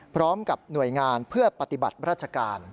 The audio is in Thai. พร้อมกับหน่วยงานเพื่อปฏิบัติราชการ